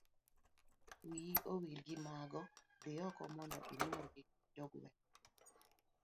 wiyi owil gi mago dhi oko mondo imorgi jogweng'